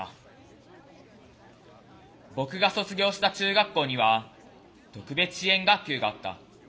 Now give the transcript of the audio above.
僕が卒業した中学校には特別支援学級があった。